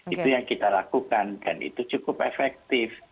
itu yang kita lakukan dan itu cukup efektif